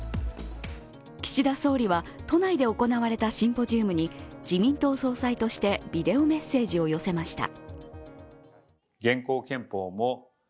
岸田総理は都内で行われたシンポジウムに自民党総裁として、ビデオメッセージを寄せました。